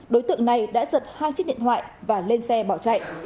đối tượng này đã giật hai chiếc điện thoại và lên xe bỏ chạy